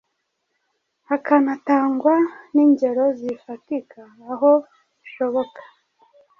hakanatangwa n’ingero zifatika aho bishoboka.